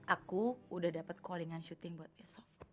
aku udah dapat calling and shooting buat besok